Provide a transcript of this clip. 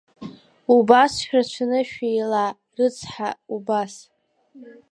Убас шәрацәаны шәиила, рыцҳа, убас…